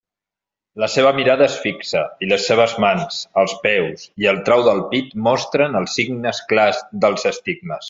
La seva mirada és fi xa, i les seves mans, els peus i el trau del pit mostren els signes clars dels estigmes.